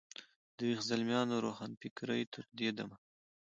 د ویښ زلمیانو روښانفکرۍ تر دې دمه.